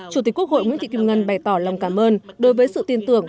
chủ tịch quốc hội nguyễn thị kim ngân bày tỏ lòng cảm ơn đối với sự tin tưởng